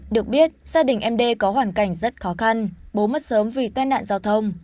được biết gia đình md có hoàn cảnh rất khó khăn bố mất sớm vì tai nạn giao thông